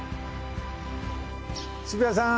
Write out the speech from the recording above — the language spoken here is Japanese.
渋谷さん。